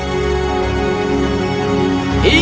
aku sudah menang